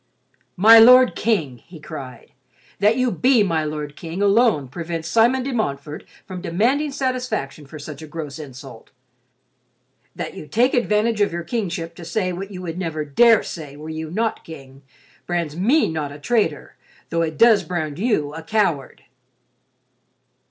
"My Lord King," he cried, "that you be my Lord King alone prevents Simon de Montfort from demanding satisfaction for such a gross insult. That you take advantage of your kingship to say what you would never dare say were you not king, brands me not a traitor, though it does brand you a coward."